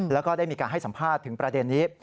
แล้วก็ได้มีการให้สัมภาษณ์ถึงประเด็นนี้